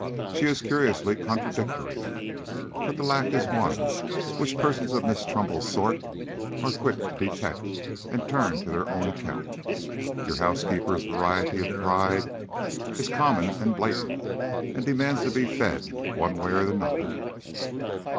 She is curiously contradictory. But that lack is one which persons of Miss Trumbull's sort are quick to detect and turn to their own account. Your housekeeper's variety of pride is common and blatant, and demands to be fed, one way or another."